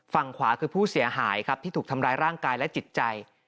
ฝั่งขวาคือผู้เสียหายครับที่ถูกทำร้ายร่างกายและจิตใจ